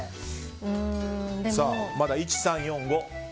まだ１、３、４、５。